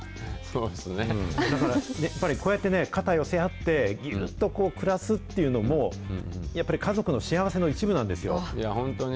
だからやっぱりこうやってね、肩寄せ合って、ぎゅっと暮らすっていうのも、やっぱり家族の幸せいや、本当に。